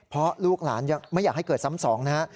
เพราะลูกหลานยังไม่อยากให้เกิดซ้ำสองนะฮะ